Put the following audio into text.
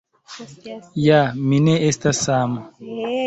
Ja mi ne estas sama.